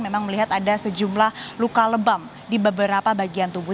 memang melihat ada sejumlah luka lebam di beberapa bagian tubuh